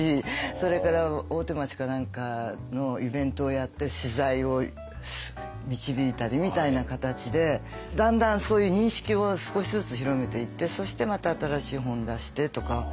それから大手町か何かのイベントをやって取材を導いたりみたいな形でだんだんそういう認識を少しずつ広めていってそしてまた新しい本出してとか。